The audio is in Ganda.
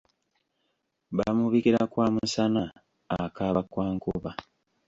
Bamubikira kwa musana akaaba kwa nkuba.